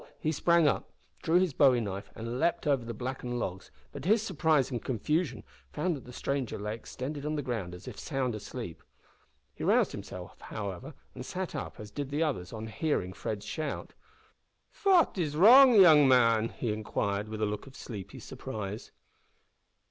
he sprang up, drew his bowie knife, and leaped over the blackened logs, but, to his surprise and confusion, found that the stranger lay extended on the ground as if sound asleep. He roused himself, however, and sat up, as did the others, on hearing Fred's shout. "Fat is wrong, yoong man?" he inquired, with a look of sleepy surprise.